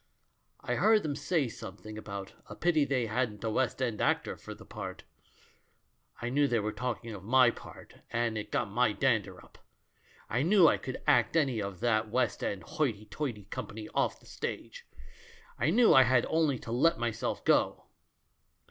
I heard them say something about 'a pity they hadn't a West End actor for the part.' I knew they were talking of my part» and it got my dandei up ; I knew I could act any of that West End hoity toity company off the stage ; I knew I had only to let myself go.